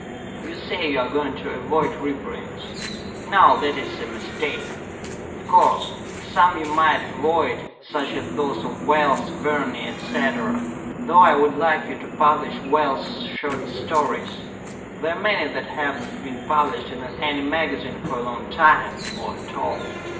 You say you are going to avoid reprints. Now that is a mistake. Of course, some you might avoid, such as those of Wells, Verne, etc., though I would like you to publish Wells' short stories. There are many that have not been published in any magazine for a long time, or at all.